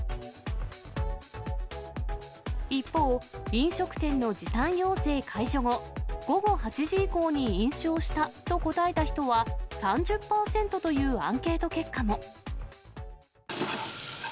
一方、飲食店の時短要請解除後、午後８時以降に飲酒をしたと答えた人は、３０％というアンケート結果も。